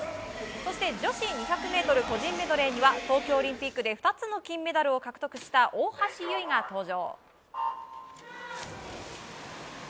そして女子２００ｍ個人メドレーには東京オリンピックで２つの金メダルを獲得した大橋悠依が登場。